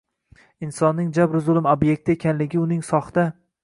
insoning jabr-zulm ob’ekti ekanligi uning soxta